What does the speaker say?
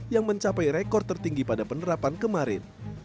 yang mencapai rekor tertinggi pada penerapan kemarin